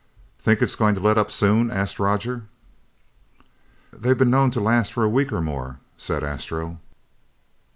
"Think it's going to let up soon?" asked Roger. "They've been known to last for a week or more," said Astro.